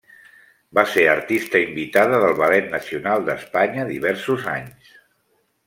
Va ser artista invitada del Ballet Nacional d'Espanya diversos anys.